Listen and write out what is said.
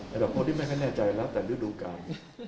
แต่แบบพอที่ไม่แน่ใจแล้วแต่ฤดูการ